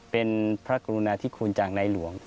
เป็นพระกรุณาธิคุณจากในหลวง